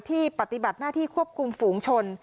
ปฏิบัติหน้าที่ควบคุมฝูงชน